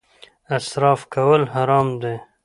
اسراف کول حرام دي